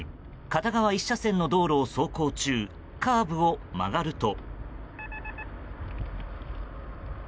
片側１車線の道路を走行中カーブを曲がると。